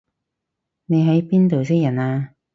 你喺邊度識人啊